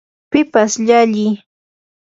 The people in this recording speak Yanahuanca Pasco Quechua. pipas llalliy ganar, vencer